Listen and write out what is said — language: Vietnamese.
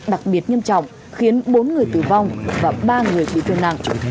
đặc biệt nghiêm trọng khiến bốn người tử vong và ba người bị thương nặng